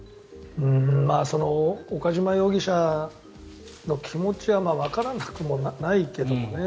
岡島容疑者の気持ちはわからなくもないけどもね。